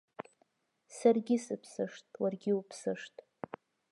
Саргьы сыԥсышт, уаргьы уԥсышт.